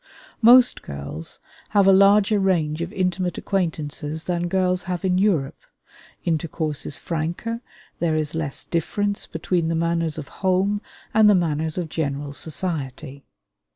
Most girls have a larger range of intimate acquaintances than girls have in Europe, intercourse is franker, there is less difference between the manners of home and the manners of general society.